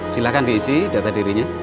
silahkan diisi data dirinya